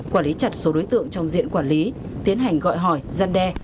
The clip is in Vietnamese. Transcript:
quản lý chặt số đối tượng trong diện quản lý tiến hành gọi hỏi gian đe